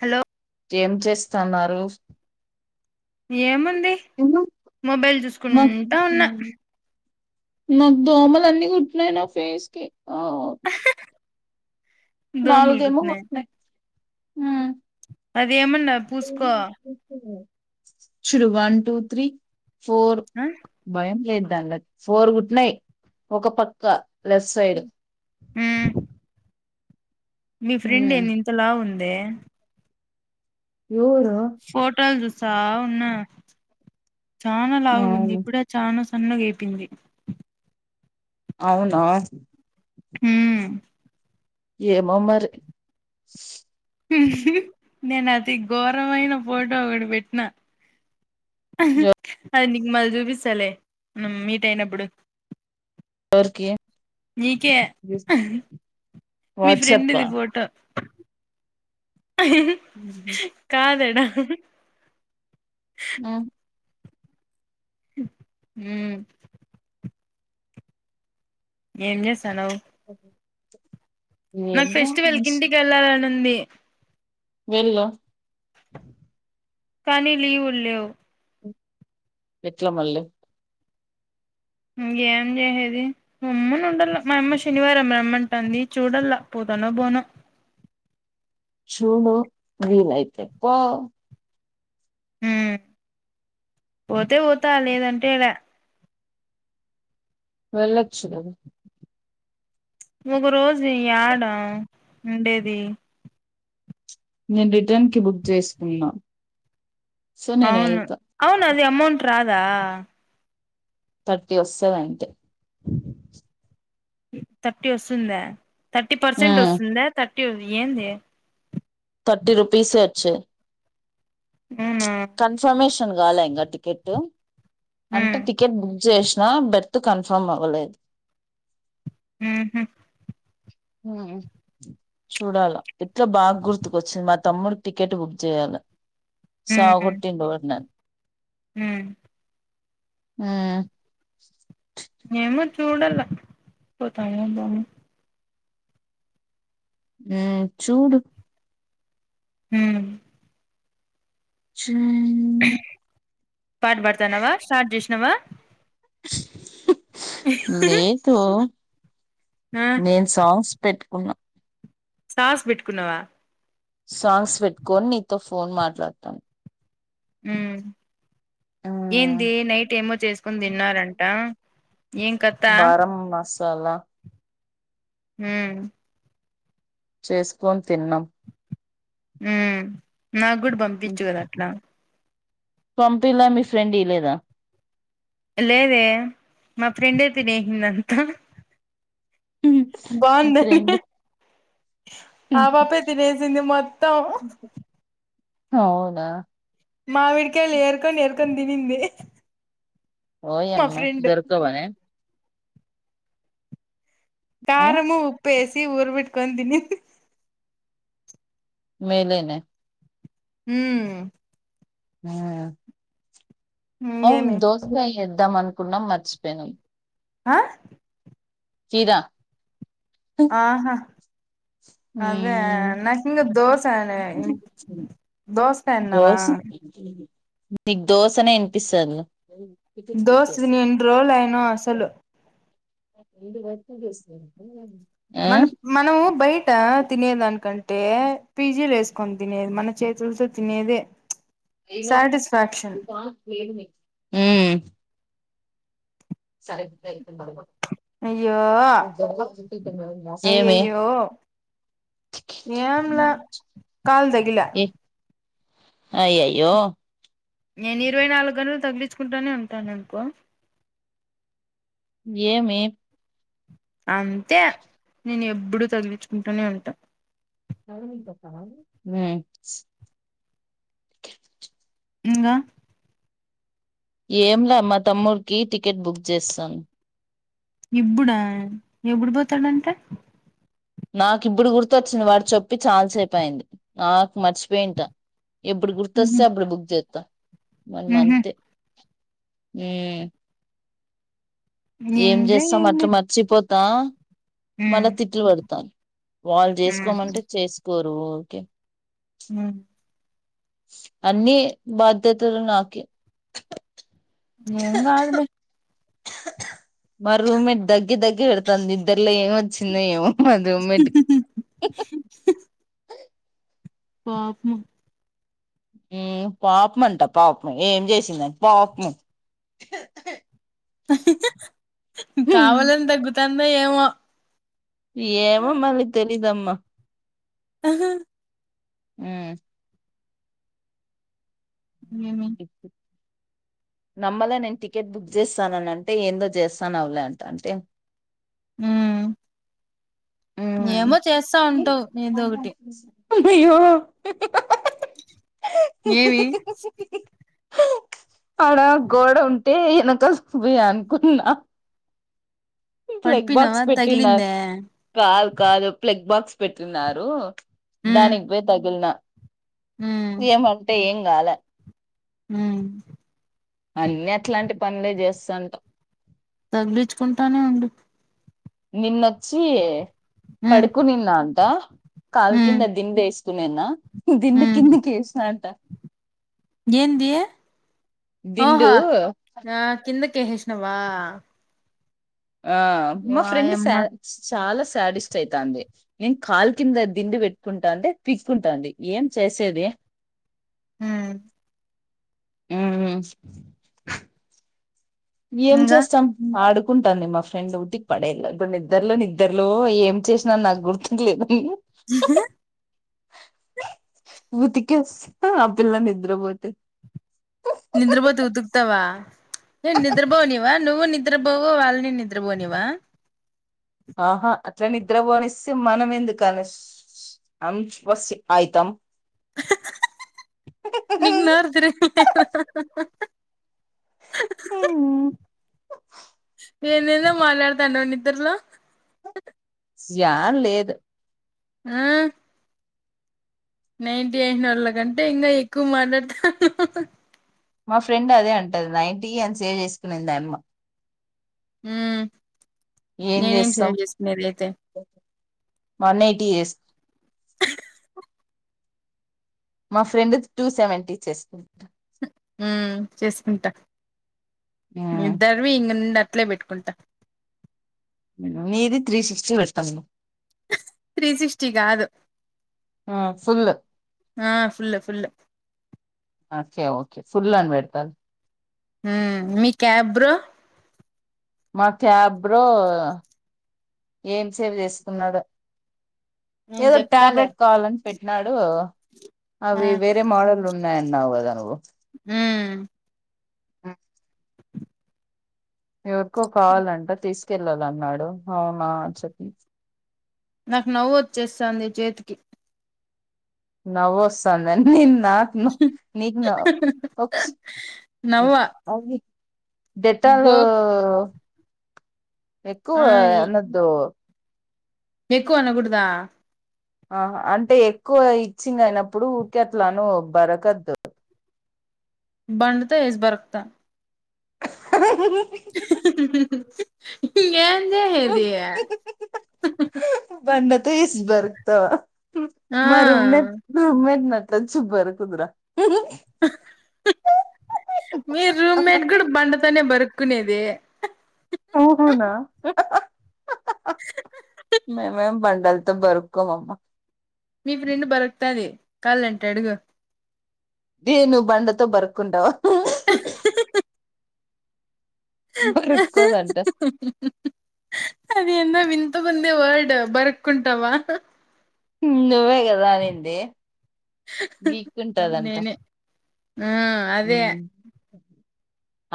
Hello ఏం చేస్తున్నారు ఏమ మొబైల్ నాకు చూసుకుంటా ఉన్న నాకు దోమలు అన్ని కుట్నాయ్ నా ఫేస్ కి నాలుగ దోమలు ఏమో కుట్నాయ్ హ్మ్ అద్ ఏమన్నా పూసుకో చూడు వన్ టు త్రీ ఫోర్ భయం లేదు ఫోర్ కుట్టినయి ఒక పక్క లెఫ్ట్ సైడ్ ఉమ్ మీ ఫ్రెండ్ ఉమ్. ఎంది ఇంతలావ్ ఉందే ఎవరు ఫోటోల్ చూ చూస్తా వున్న చానా లావు గుంది ఉమ్, ఇప్పుడే చానా సన్నగైపీంది అవునా హ్మ్ ఏమో మరి నేను అతి ఘోరమైన ఫోటో ఒకటి పెట్టినా అది నీకు మళ్ళీ చూపిస్తలే మీట్ అయినప్పుడు ఎవర్కి నీకే మీ వాట్సాప్పా ఫ్రెండ్ది ఫోటో కాదడా ఆ హ్మ్ ఏం చేసానువ్ ఓకే నాకు ఫెస్టివెల్ కింటికి వెళ్ళాలనుంది వెళ్ళు కానీ లీవుల్లేవ్ ఎట్ల మళ్ళీ ఇకేం చేసేది రమ్మను ఉండాల మా అమ్మ శనివారం రమ్మంటా అంది చూడలా పోతానో బోన చూడు వీలైతే పో హ పోతే పోతా లేదంటే లే వెళ్ళొచ్చు కదా ఒక రోజు ఏడా ఉండేది నేను రిటర్న్ క బుక్ చేసుకున్నాం సో నేను అవును వెళ్తా అవును అమౌంట్ రాదా థర్టీ వస్తాది అంతే థర్టీ వస్తుందా థర్టీ పర్సెంట్ వస్తుందా ఏంది థర్టీ రుపీస్ వచ్చేది అవునా గాల ఇంకా టికెట్ అంటే ఉమ్ టికెట్ బుక్ చేసి బెర్త్ కన్ఫర్మ్ అవ్వలేదు హ హ చూడాల ఎట్లా బాగా గుర్తుకొ వచ్చింది మా తమ్ముడికి టికెట్ బుక్ చేయాలి సవగొట్టిండు హ హ ఏమో చూడాల పోతాం పోమో అ చూడు హ అ పాట పడతానావా స్టార్ట్ చేసినవా లేదు ఆ నేను సాంగ్స్ పెట్టుకున్నాం సాస్ పెట్టుకున్నావా సాంగ్స్ పెట్టుకొని నీతో ఫోన్ మాట్లాడతాను అ ఏంది నైట్ ఏమో చేసుకుని తిన్నారంట ఏం కత్తా చాలా హ చేసుక హమ్ నాకు కూడా పంపించు కదా అట్లా పంపిలా మీ ఫ్రెండ్ ఇలేదా లేదే మా ఫ్రెండ్ తినేసింది అంతా మీ బాగుందండి ఫ్రెండ్ ఆ పాపే తినేసింది మొత్తం అవునా మావిడికయళ్ ఏర్కొన్ ఏర్కొన్ తినింది ఓయి మా అమ్మ ఫ్రెండ్ దొర్కవనా కారము ఉప్పేస్ తీ ఊరు బెట్టుకొని తిని. మేలే నే. హ్మ్. హూ అవును ఇంగేమి దోసుకాయి ఎద్దాం అంత్ కున్నం మర్చిపోయినం. హా కీరా ఆహ అదే నాక్ ఇంగ దోస అని వినిపించింది దోస్ దోస్. నీకు దోశనే ఇన్పిస్తాదిలే. దోస్ నేను రోల్ అయిన అసలు [inaudible] మన మనమూ బయటా తినేదానికంటే పీజీలేసుకొని తినేది మన చేతులతో తినేదే. సాటిస్ఫాక్షన్ హ్మ్. [inaudible] అయ్యో ఏమి అయ్యయ్యో ఏంలా కాల్ తగిలే. అయ్యయ్యో నేను ఇరవై నాలుగు గంటల్ తగిలించుకుంటానే ఉంటాన్ అనుకో ఏమీ అంతే నేను ఎప్ ఎప్పుడు తగిలించుకుంటూనే ఉంటా హ్మ్ ఇంగా ఏంలా మా తమ్ముడికి టికెట్ బుక్ చేస్సాను. ఇప్పుడా ఎప్పుడు పోతాడంటా నాకు ఇప్పుడు గుర్తు ఒచ్చింది వాడు చెప్పి చాలాసేపు అయింది నాకు మర్చిపోయింటా ఎప్పుడు గుర్తొస్తే అప్పుడు బుక్ చేస్తా వన్ మంత్ హ్మ్. ఏం ఎంజాయ్ చేస్తాం అట్లా చేయండి మర్చిపో తా మళ్ళా తిట్లు పడతాను వాళ్ళు చేసుకోమంటే చేసుకోరు ఓకే హ్మ్ అన్ని బాధ్యతలు నాక ఏం కాదులే మా రూమ్ట్ దగ్గ దగ్గి వెళ్తాంది నద్ద ఇట్లో ఏమి వచ్చింద ఏమో అద మటుకి పాపుము పాపం అంట పాపము ఏం చేసింద పాపము కావాలని తగ్గుతాను అందా ఏమ ఏమో మళ్ళీ తెలీదుమ్మా ఆ ఆహా హ ఏమే నమ్మలే నేను టికెట్ బుక్ చేస్తానన అంటే ఏందో చేస్తాను అవలేంట అంటే అ ఏమో చేస్తా ఉంటావు ఏదో ఒకటి ఉ భో ఏవి ఆడా గోడ ఉంటే భ అనుకున్నా ప్లెగ్ పడిపోయినావా బాక్స్ పెట్టిన్నారు తగిలిందా కాదు కాదు ప్లెగ్ బాక్స్ పెట్టిన్నారు ఉమ్ దానిగ బేత్గిల్నా ఏ ఏమంటే ఏం నాల హ అన్ని అట్లాంటి పనులే చేస్తాంటాం తగిలించుకుంటానే ఉండి నిన్నొచ్చి ఉమ్ పడుకు నింద అంత కాల్ ఉమ్ కింద దిండేసి తుమేన్నా దిండు ఉమ్ కింది కేసిన అంట ఏంది దిండు కే ఎస్సై నావ ఆ మా ఫ్రెండ్ సాయి చాలా శాడిస్ట్ అయితుంది నం కాల్ కింద దిండి పెట్టుకుంటా ఉంటే పీక్కుంటాంది ఏం చేసేది మ్ ఊహు ఏం ఇంగా చేస్తాం ఆడుకు కుంటాంది మా ఫ్రెండ్ ఉతికి పడఏళ్ళ నిద్దరులో నిద్దరులో ఏం చేసినా నాకు గుర్తుకులేదు ఊతికేస్తే ఆ పిల్ల నిద్ర పోతే నిద్రపోతే ఉతుకుతావా న నిద్రపోనివా నువ్వు నిద్రపోవు వాళ్ళని నిద్రపోనివా ఆహా అట్లా నిద్ర పోనిస్తే మనం ఎందుకు కాని అం వస్ ఆయితాం [unintelligible] అమ్ ఎందేందో మాట్లాడతండావ్ నిద్రుట్లో ని ఇద్ద్రలా వాన్లేదు ఆ నైన్టీ రాసినోళ్లకంటే వాళ్ళ కంటే ఇంకా ఎక్కువ మాట్లాడుతా మా ఫ్రెండ్ అదే అంటది నైటీ అని సేవ్ చేసుకునే ద అమ్మ మ్ ఏం నేనేం చేస్తాం చేసుకునేదియితే వన్ ఎయిటీ ఎస్ మా ఫ్రెండ్ టూ సెవెంటీ చేస్తుంటారు మ్ చేసుకుంటా ఇద్దర్వీ ఇంగ నుండి అట్లేబట్కుంటా నీ ఇది త్రీ ఫిఫ్టీ పెడతాం త్రీ సిక్స్టీ కాదు ఆ ఫుల్ ఆ ఫుల్ ఫుల్ ఓకే ఓకే ఫుల్లాని వెడతల్ మీ క్యాబ్ బ్రో మా క్యాబ్రో ఏం సేవ్ చేసుకున్నాడు నేను ఏదో ఒక చెప్తాలే టాబ్లెట్ కావాలండి పెట్నా అదే కదా ఆ అవి వేరే మోడల్ ఉన్నాయి అన్నావ్ కదా నువ్వు మ్మ్ మ్మ్ ఎవరికో కావాలంటా తీసుకు తెల్వదు అన్నాడు అవున చెప్పి నాకు నవ్వు వచ్చేస్తాంది చేతికి నవ్ వస్తంద నిన్ నాకు నీకు నవ్వ [unintelligible] డెటాలు గో ఎక్కువ ఆ అనద్దు ఎక్కువ అనకూడదా ఆ అంటే ఎక్కువ ఇచ్చింగ్ అయినప్పుడు ఊరికెట్లా అను బరకదు బండ తో ఏసీ బర్కుత అభ యే ఏందే ఇది తీస్ బతుకుతవ మా రూమ్ రూమజ కంచు బరుకుదరా మీ రూమ్మేట్ కూడా బండతోనే బరుక్కునేది అవున మేము ఏం బంండలతో బరుక్కోమమ్మ మీ ఫ్రెండ్ బరకుతాది కాలంటే అడుగు దే నువ్వు బండతో బరుక్కుంటావు బరుక్కోదంట అది ఎందో వింత గుంది వర్డ్ బరక్కుంటవా నువ్వే కదా అనింది గీక్కుంటాదంట నేనే ఆ అదే మ్మ్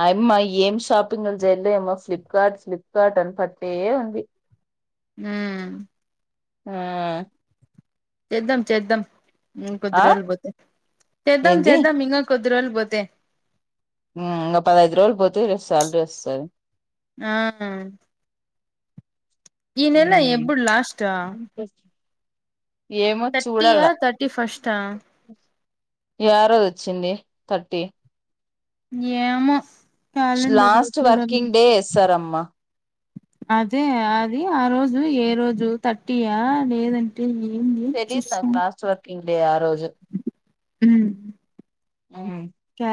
అయమ్మా ఏం షాపింగ్లు జయలేమో ఫ్లిప్కార్ట్ ఫ్లిప్కార్ట్ అని పట్టేయే ఉంది మ్మ్ ఆ చేద్దాం చేద్దాం ఇంకొద్ది ఆ రోజులు పోతే చేద్దాం ఏంది చెద్దాం ఇంగ కోద్ ద్ది రోజులు పోతే మ్మ్ ఇంగ పదఐదు రోజులు పోతే రేప్ సాలరీ వస్తది ఆ ఈ నెల ఉమ్. ఎప్పుడు లాస్ట్ ఏమో తట్టి అ తట్టి ఫస్ట అ. యారోదోచ్చింది, తట్టి. యేమొ. స్లాస్ట్ వర్కింగ్ డే ఎస్తారమ్మ. అదే అది ఆ రోజు ఏ రోజు తట్టియా లేదంటే, ఎ. ఏంది చూస్తాన్. ఇంటి ఆ రోజు. ఉమ్. ఆ.